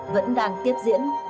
vẫn đang tiếp diễn